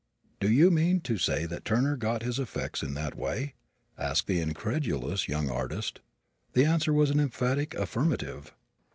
"Do you mean to say that Turner got his effects in that way?" asked the incredulous young artist. The answer was an emphatic affirmative.